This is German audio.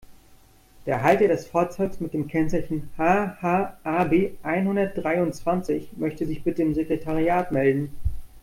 Der Halter des Fahrzeugs mit dem Kennzeichen HH-AB-einhundertdreiundzwanzig möchte sich bitte im Sekretariat melden.